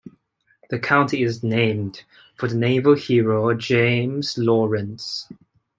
The county is named for the naval hero James Lawrence.